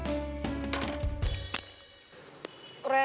oke ya udah